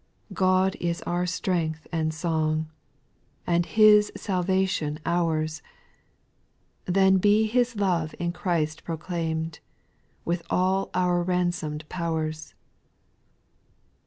God is our strength and song. And Hia salvation ours ; SPIRITUAL aONOS. 68 Then be His love in Christ proclaimed, With all our ransomed powers.